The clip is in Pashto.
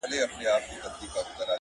ز ماپر حا ل باندي ژړا مه كوه”